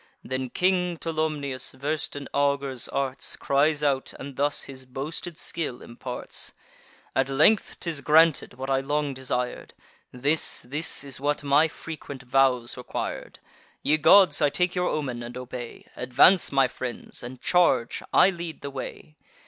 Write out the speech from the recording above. Then King Tolumnius, vers'd in augurs' arts, Cries out, and thus his boasted skill imparts: "At length 'tis granted, what I long desir'd! This, this is what my frequent vows requir'd. Ye gods, I take your omen, and obey. Advance, my friends, and charge! I lead the way.